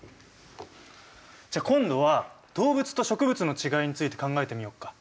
じゃあ今度は動物と植物のちがいについて考えてみようか。